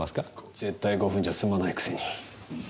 絶対５分じゃ済まないくせに。